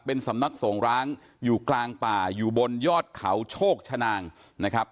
เป็นสำนักส่งร้างอยู่กลางป่าอยู่บนยอดเขาโชคชนางนะครับ